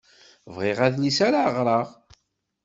Bɣiɣ adlis ara ɣreɣ.